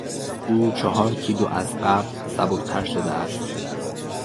او چهار کیلو از قبل سبکتر شده است.